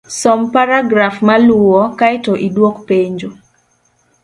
Som paragraf maluwo, kae to idwok penjo